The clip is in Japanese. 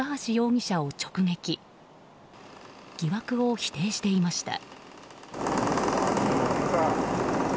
疑惑を否定していました。